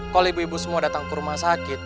kalau ibu ibu semua datang ke rumah sakit